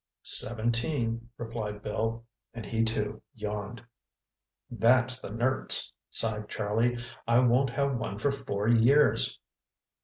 "Seventeen," replied Bill, and he too, yawned. "That's the nerts," sighed Charlie. "I won't have one for four years!"